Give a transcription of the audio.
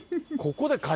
ここで？